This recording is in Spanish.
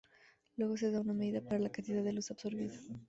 Luego se da una medida para la cantidad de luz absorbida.